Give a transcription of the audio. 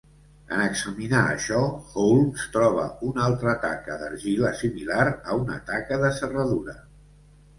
En examinar això, Holmes troba una altra taca d'argila similar a una taca de serradura.